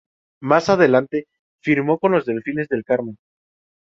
Más adelante firmó con los Delfines del Carmen.